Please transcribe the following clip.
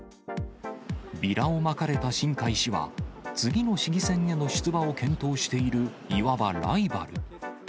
ビラをまかれた新開氏は、次の市議選への出馬を検討しているいわばライバル。